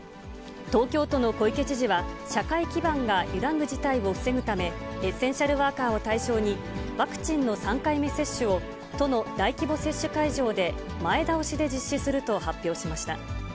東京都の小池知事は、社会基盤が揺らぐ事態を防ぐため、エッセンシャルワーカーを対象にワクチンの３回目接種を、都の大規模接種会場で前倒しで実施すると発表しました。